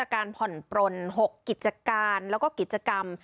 การผ่อนปลน๖กิจการแล้วก็กิจกรรม